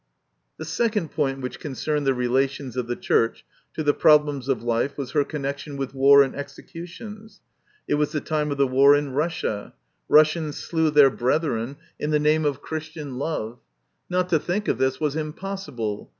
The second point which concerned the relations of the Church to the problems of life was her connection with war and executions. It was the time of the war in Russia. Russians slew their brethren in the name of Christian 140 MY CONFESSION. love. Not to think of this was impossible.